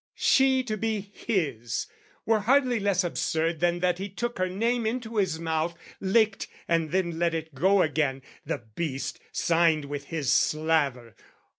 She to be his, were hardly less absurd Than that he took her name into his mouth, Licked, and then let it go again, the beast, Signed with his slaver.